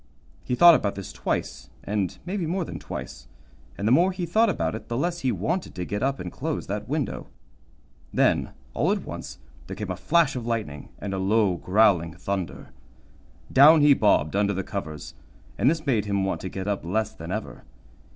He thought about this twice, and maybe more than twice, and the more he thought about it the less he wanted to get up and close that window. Then, all at once, there came a flash of lightning and low growling thunder. Down he bobbed under the covers, and this made him want to get up less than ever.